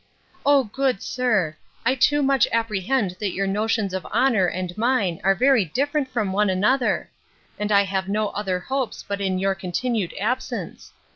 —O, good sir! I too much apprehend that your notions of honour and mine are very different from one another: and I have no other hopes but in your continued absence.